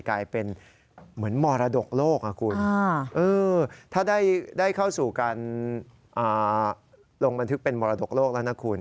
กลายเป็นเหมือนมรดกโลกคุณถ้าได้เข้าสู่การลงบันทึกเป็นมรดกโลกแล้วนะคุณ